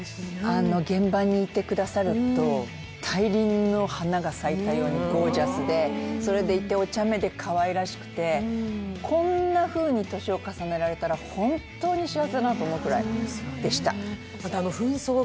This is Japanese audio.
現場にいてくださると、大輪の花が咲いたようにゴージャスで、それでいてお茶目でかわいらしくてこんなふうに年を重ねられたら本当に幸せだと思うぐらいでした。